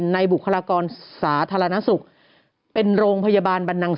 ในบุขรากรสาธารณสุขเป็นโรงพยาบาล